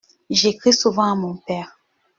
J’écris souvent à mon père.